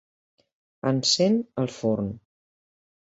Encén el forn.